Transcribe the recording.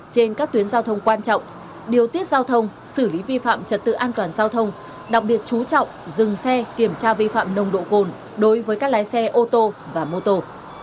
trên các tuyến giao thông quan trọng điều tiết giao thông xử lý vi phạm trật tự an toàn giao thông đặc biệt chú trọng dừng xe kiểm tra vi phạm nồng độ cồn đối với các lái xe ô tô và mô tô